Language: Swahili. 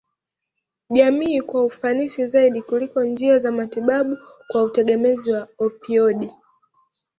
jamii kwa ufanisi zaidi kuliko njia za matibabu kwa utegemezi wa opioidi